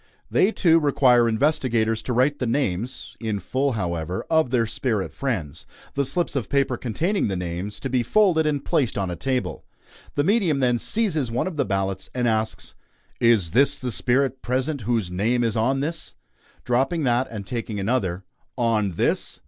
They, too, require investigators to write the names in full, however of their spirit friends; the slips of paper containing the names, to be folded and placed on a table. The medium then seizes one of the "ballots," and asks: "Is the spirit present whose name is on this?" Dropping that and taking another: "On this?"